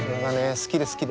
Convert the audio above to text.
好きで好きで。